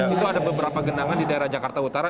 itu ada beberapa genangan di daerah jakarta utara